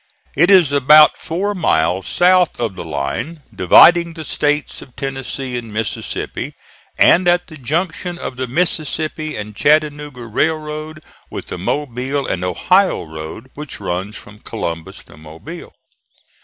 It is about four miles south of the line dividing the States of Tennessee and Mississippi, and at the junction of the Mississippi and Chattanooga railroad with the Mobile and Ohio road which runs from Columbus to Mobile.